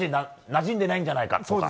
なじんでないんじゃないかとか。